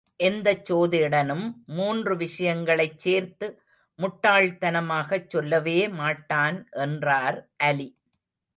எந்தச் சோதிடனும் மூன்று விஷயங்களைச் சேர்த்து முட்டாள் தனமாகச் சொல்லவே மாட்டான் என்றார் அலி.